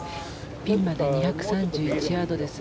ピンまで２３１ヤードです。